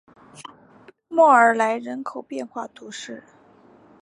莫尔莱人口变化图示